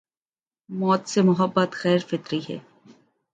موت سے محبت غیر فطری ہے۔